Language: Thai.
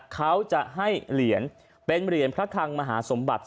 เขาจะให้เหรียญเป็นเหรียญพระคังมหาสมบัติ